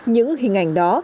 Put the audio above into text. những hình ảnh đó